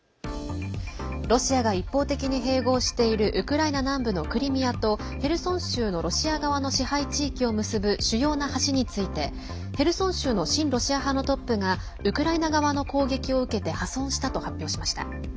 ロシアが一方的に併合しているウクライナ南部のクリミアとヘルソン州のロシア側の支配地域を結ぶ主要な橋についてヘルソン州の親ロシア派のトップがウクライナ側の攻撃を受けて破損したと発表しました。